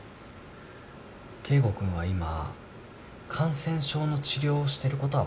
圭吾君は今感染症の治療をしてることは分かるよね？